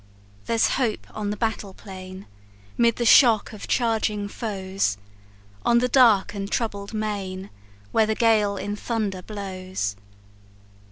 "There's hope on the battle plain, 'Mid the shock of charging foes; On the dark and troubled main, When the gale in thunder blows.